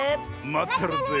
まってるぜ。